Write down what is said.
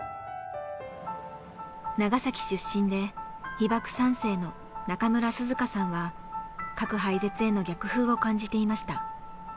長崎出身で被爆３世の中村涼香さんは核廃絶への逆風を感じていました。